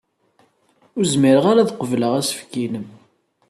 Ur zmireɣ ad qebleɣ asefk-nnem.